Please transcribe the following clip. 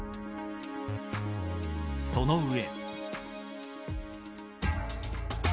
その上。